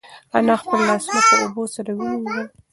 انا خپل لاسونه په اوبو سره ومینځل.